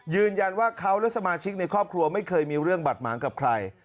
ยืนยันว่าเขาและสมาชิกในครอบครัวไม่เคยมีเรื่องบาดหมางกับใคร